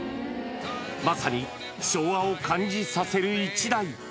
まさに昭和を感じさせる１台。